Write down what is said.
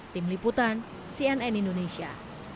tim liputan cnn indonesia